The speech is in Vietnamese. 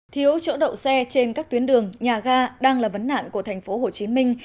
thiếu chỗ đậu xe trên các tuyến đường nhà ga đang là vấn nạn của thành phố hồ chí minh